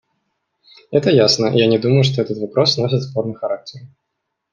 Это ясно, и я не думаю, что этот вопрос носит спорный характер.